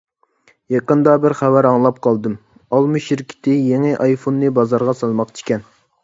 يېقىندا بىر خەۋەر ئاڭلاپ قالدىم: ئالما شىركىتى يېڭى ئايفوننى بازارغا سالماقچىكەن.